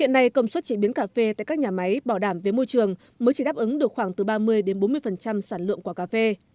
hiện nay công suất chế biến cà phê tại các nhà máy bảo đảm về môi trường mới chỉ đáp ứng được khoảng từ ba mươi bốn mươi sản lượng của cà phê